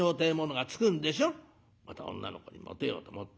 また女の子にモテようと思って。